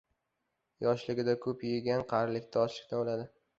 • Yoshligida ko‘p yegan, qarilikda ochlikdan o‘ladi.